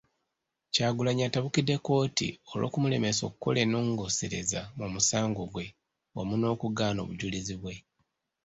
Kyagulanyi atabukidde kkooti olw'okumulemesa okukola ennongoosereza mu musango gwe wamu n'okugaana obujulizi bwe.